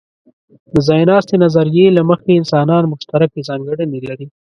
د ځایناستې نظریې له مخې، انسانان مشترکې ځانګړنې لري.